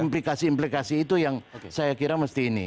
implikasi implikasi itu yang saya kira mesti ini